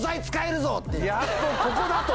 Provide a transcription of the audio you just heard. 「やっとここだ！」と。